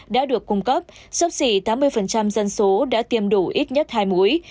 đã được cung cấp sấp xỉ tám mươi dân số đã tiêm đủ ít nhất hai mũi